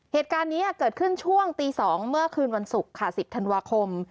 เหตุการณ์นี้เกิดขึ้นช่วงตี๒เมื่อคืนวันศุกร์ค่ะ๑๐ธันวาคม